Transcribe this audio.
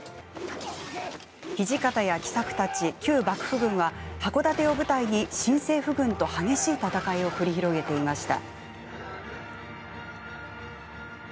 土方や喜作たち旧幕府軍は箱館を舞台に新政府軍と激しい戦いを繰り広げていました。